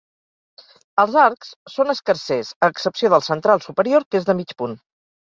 Els arcs són escarsers, a excepció del central superior que és de mig punt.